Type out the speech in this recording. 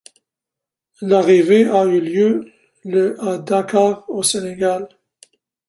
L'arrivée a eu lieu le à Dakar au Sénégal.